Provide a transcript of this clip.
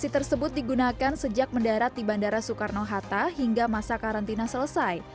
masjid tersebut digunakan sejak mendarat di bandara soekarno hatta hingga masa karantina selesai